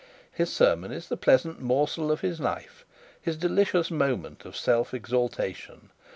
His sermon is the pleasant morsel of his life, his delicious moment of self exaltation.